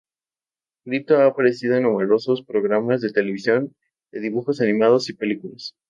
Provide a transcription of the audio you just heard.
Krypto ha aparecido en numerosos programas de televisión de dibujos animados y películas.